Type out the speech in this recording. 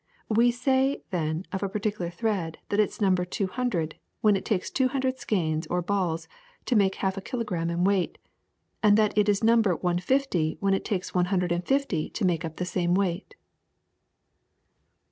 We say, then, of a particular thread that it is number 200 when it takes two hundred skeins or balls to make half a kilogram in weight, and that it is num ber 150 when it takes one hundred and fifty to make up the same weight.